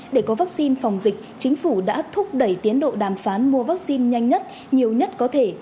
để có vaccine phòng dịch chính phủ đã thúc đẩy tiến độ đàm phán mua vaccine nhanh nhất nhiều nhất có thể